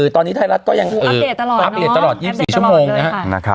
ตอนนี้ไทยรัฐก็ยังอัปเดตตลอด๒๔ชั่วโมงนะครับ